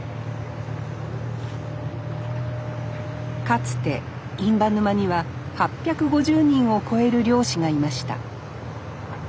かつて印旛沼には８５０人を超える漁師がいました。